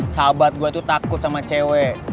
sahabat gue tuh takut sama cewek